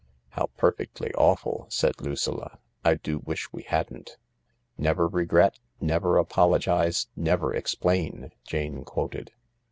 " How perfectly awful I " said Lucilla. " I do wish we hadn't." "Never regret, never apologise, never explain," Jane quoted.